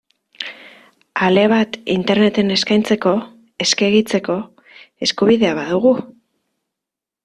Ale bat Interneten eskaintzeko, eskegitzeko, eskubidea badugu?